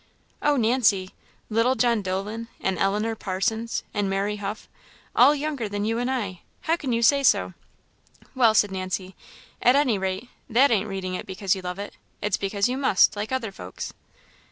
"Oh, Nancy! little John Dolan, and Eleanor Parsons, and Mary Huff all younger than you and I; how can you say so?" "Well," said Nancy "at any rate, that ain't reading it because you love it it's because you must, like other folks."